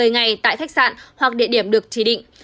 một mươi ngày tại khách sạn hoặc địa điểm được chỉ định